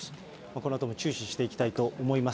このあとも注視していきたいと思います。